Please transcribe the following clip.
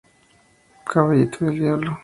Caballito del diablo.